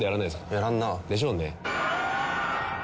やらんなぁ。でしょうね。